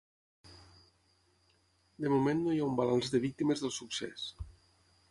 De moment no hi ha un balanç de víctimes del succés.